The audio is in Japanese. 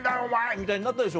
みたいになったでしょ？